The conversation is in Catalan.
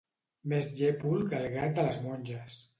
Més llépol que el gat de les monges.